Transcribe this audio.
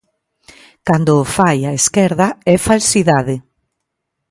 Cando o fai a esquerda é falsidade.